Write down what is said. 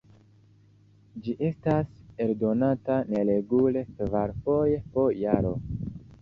Ĝi estas eldonata neregule kvarfoje po jaro.